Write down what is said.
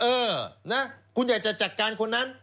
เออนะคุณอยากจะจัดการคนนั้น